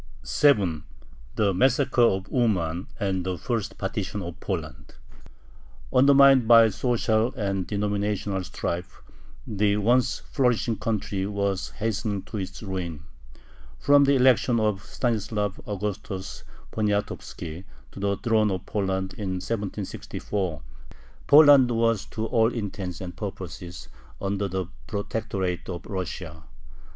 7. THE MASSACRE OF UMAN AND THE FIRST PARTITION OF POLAND Undermined by social and denominational strife, the once flourishing country was hastening to its ruin. From the election of Stanislav Augustus Poniatovski to the throne of Poland in 1764, Poland was to all intents and purposes under the protectorate of Russia.